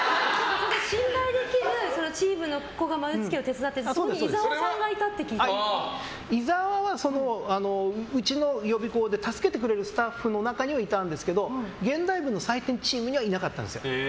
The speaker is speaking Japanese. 信頼できるチームの子が丸付けを手伝ってて、そこに伊沢はうちの予備校で助けてくれるスタッフの中にはいたんですけど現代文の採点チームにはいなかったんですよ。